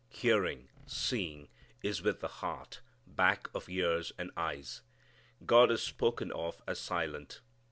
Hearing, seeing is with the heart back of ears and eyes. God is spoken of as silent.